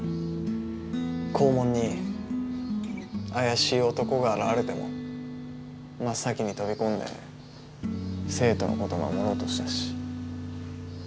校門に怪しい男が現れても真っ先に飛び込んで生徒のこと守ろうとしたし。